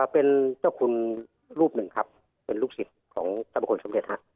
เป็นเจ้าคุณรูปหนึ่งครับเป็นลูกศิษย์ของสรรพคุณสมเด็จฮะ